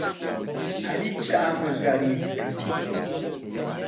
عەلی چ ئامۆژگارییەکی کردیت؟